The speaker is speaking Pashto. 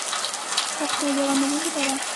پښتو یوه ملي ژبه ده.